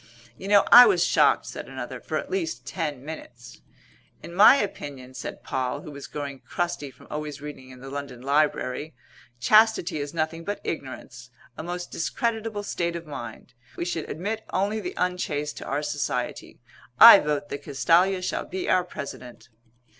"You know I was shocked," said another, "for at least ten minutes." "In my opinion," said Poll, who was growing crusty from always reading in the London Library, "chastity is nothing but ignorance a most discreditable state of mind. We should admit only the unchaste to our society. I vote that Castalia shall be our President."